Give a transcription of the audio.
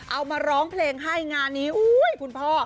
เอามาร้องเพลงให้งานนี้อุ้ยคุณพ่อ